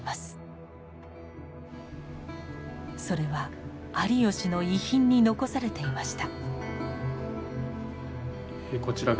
それは有吉の遺品に残されていました。